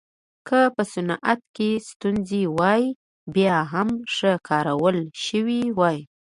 که په صنعت کې ستونزې وای بیا هم ښه کارول شوې وای